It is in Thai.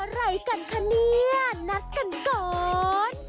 อะไรกันคะเนี่ยนัดกันก่อน